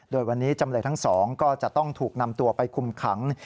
โดยวันนี้จำเลยทั้งสองก็จะต้องถูกนำตัวไปคุมขัง